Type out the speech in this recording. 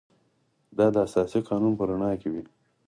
دا د اساسي قانون په رڼا کې وي.